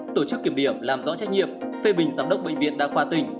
tổ chức kiểm điểm làm rõ trách nhiệm phê bình giám đốc bệnh viện đa khoa tỉnh